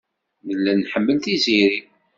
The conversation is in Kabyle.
Nella nḥemmel Tiziri.